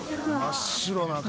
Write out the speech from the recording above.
真っ白な紙。